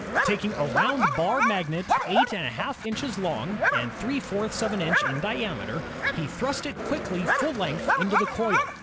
Taking a round bar magnet eight and a half inches long and three fourths of an inch in diameter, he thrust it quickly full length into the coil.